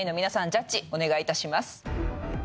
ジャッジお願いいたします